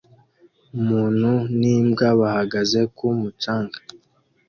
Umuntu n'imbwa bahagaze ku mucanga